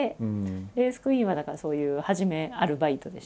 レースクイーンはだからそういう初めアルバイトでした。